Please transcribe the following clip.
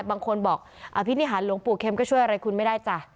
บางคนบอกอภินิหารหลวงปู่เข็มก็ช่วยอะไรคุณไม่ได้จ้ะ